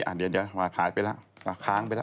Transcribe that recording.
อ่ะเดี๋ยวหายไปละค้างไปละ